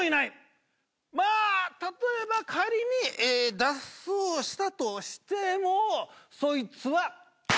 まあ例えば仮に脱走したとしてもそいつは。